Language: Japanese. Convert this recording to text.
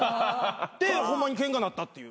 でホンマにケンカなったっていう。